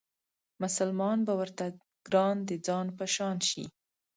مسلمان به ورته ګران د ځان په شان شي